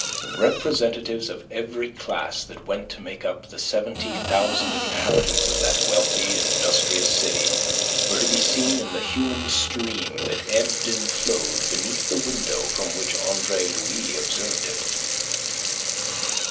Representatives of every class that went to make up the seventy thousand inhabitants of that wealthy, industrious city were to be seen in the human stream that ebbed and flowed beneath the window from which Andre Louis observed it.